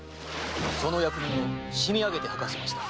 その役人を締め上げて吐かせました。